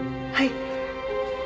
はい。